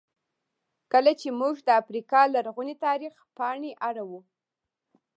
کله چې موږ د افریقا لرغوني تاریخ پاڼې اړوو.